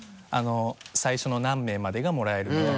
最初の何名までがもらえるみたいな。